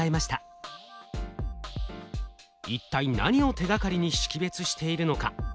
一体何を手がかりに識別しているのか？